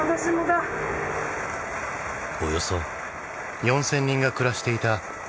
およそ４０００人が暮らしていた雄勝町。